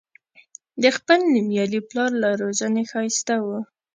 د خپل نومیالي پلار له روزنې ښایسته و.